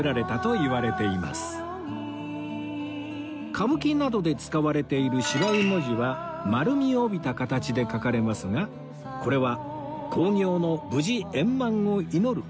歌舞伎などで使われている芝居文字は丸みを帯びた形で書かれますがこれは